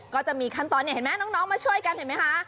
ก็จะมีขั้นตอนเนี่ยเห็นไหมน้องมาช่วยกันเห็นไหมคะ